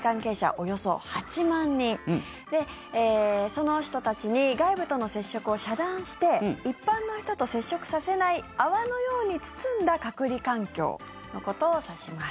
およそ８万人その人たちに外部との接触を遮断して一般の人と接触させない泡のように包んだ隔離環境のことを指します。